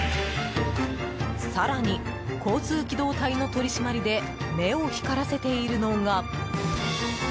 更に、交通機動隊の取り締まりで目を光らせているのが。